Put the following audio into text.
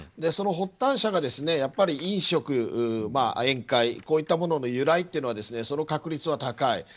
その発端者がやっぱり飲食、宴会こういったものの由来というのはその確率は高い。